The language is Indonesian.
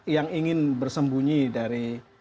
yang ingin bersembunyi dari